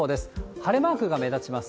晴れマークが目立ちます。